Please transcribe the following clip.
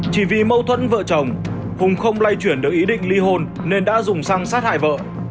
chỉ vì mâu thuẫn vợ chồng hùng không lay chuyển được ý định ly hôn nên đã dùng xăng sát hại vợ